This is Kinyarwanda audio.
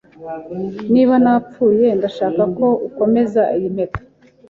Niba napfuye, ndashaka ko ukomeza iyi mpeta.